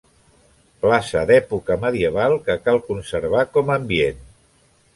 Plaça d'època medieval que cal conservar com ambient.